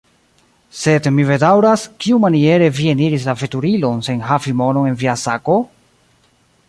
Sed mi bedaŭras, kiumaniere vi eniris la veturilon sen havi monon en via sako?